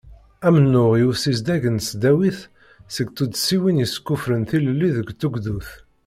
Amennuɣ i usizdeg n tesdawit seg tuddsiwin yeskuffren tilelli d tugdut.